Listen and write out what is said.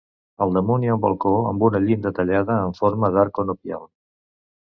Al damunt hi ha un balcó amb una llinda tallada en forma d'arc conopial.